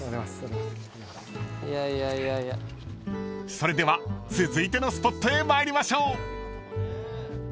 ［それでは続いてのスポットへ参りましょう］